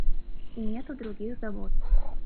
И нету других забот.